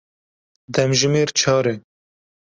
Demjimêr çar e.